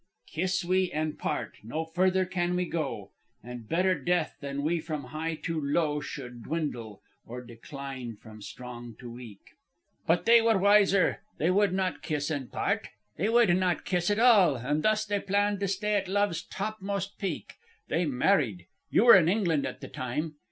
"'Kiss we and part; no further can we go; And better death than we from high to low Should dwindle, or decline from strong to weak.' "But they were wiser. They would not kiss and part. They would not kiss at all, and thus they planned to stay at Love's topmost peak. They married. You were in England at the time.